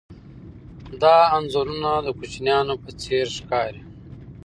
دا انځورونه د کوچنیانو په څېر ښکاري.